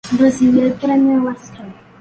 Recibió el Premio Lasker.